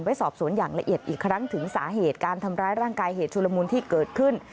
ไว้สอบสวนอย่างละเอียดอีกครั้งถึงสาเหตุการทำร้ายร่างกายเหตุชุลมุนที่เกิดขึ้น